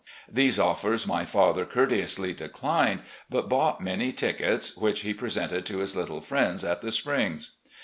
These offers my father courteously declined, but bought many tickets, which he presented to his little friends at the Springs.